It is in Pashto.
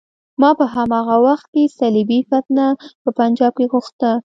ما په هماغه وخت کې صلیبي فتنه په پنجاب کې غوښته.